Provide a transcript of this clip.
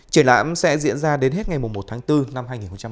triển lãm sẽ diễn ra đến hết ngày một tháng bốn năm hai nghìn một mươi sáu